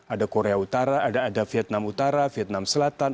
ada korea utara ada vietnam utara vietnam selatan